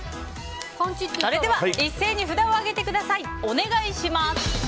それでは一斉に札を上げてください。